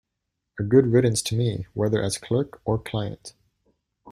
A good riddance to me, whether as clerk or client!